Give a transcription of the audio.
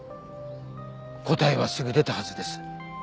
答えはすぐ出たはずです。